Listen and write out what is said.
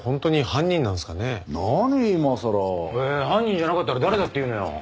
犯人じゃなかったら誰だっていうのよ？